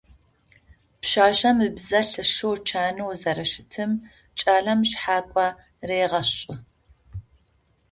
Пшъашъэм ыбзэ лъэшэу чанэу зэрэщытым кӏалэм шъхьакӏо регъэшӏы.